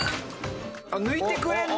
抜いてくれるの？